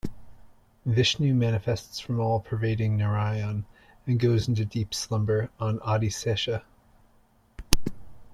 Vishnu manifests from all pervading Narayan and goes into deep slumber on Adi Sesha.